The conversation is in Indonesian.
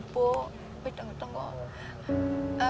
saya datang ke rumah